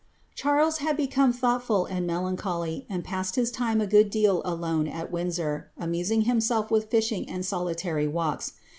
"* Charles had become thoughtful and melancholy, and passed his tioe a good deal alone at Windsor, amusing himself with fishing and solitary walks.